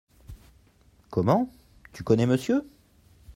Comment, tu connais monsieur ?